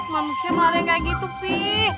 manusia malah yang kayak gitu pi